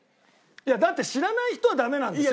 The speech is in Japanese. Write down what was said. だって知らない人はダメなんですよ？